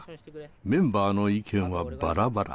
メンバーの意見はバラバラ。